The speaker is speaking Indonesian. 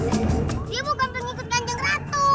dia bukan pengikut ganjeng ratu